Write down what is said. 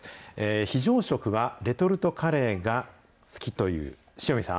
非常食はレトルトカレーが好きという塩見さん。